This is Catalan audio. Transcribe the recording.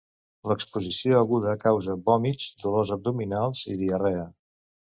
L’exposició aguda causa vòmits, dolors abdominals i diarrea.